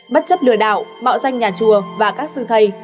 bất chấp lừa đảo mạo danh nhà chùa và các sư thầy